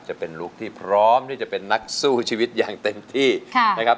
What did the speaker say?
จะเป็นลุคที่พร้อมที่จะเป็นนักสู้ชีวิตอย่างเต็มที่นะครับ